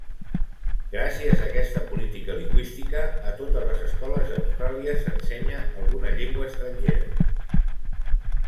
Gràcies a aquesta política lingüística a totes les escoles d'Austràlia s'ensenya alguna llengua estrangera.